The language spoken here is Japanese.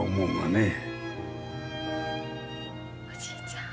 おじいちゃん。